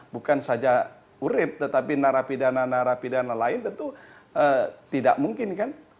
bukan saja urib tetapi narapidana narapidana lain tentu tidak mungkin kan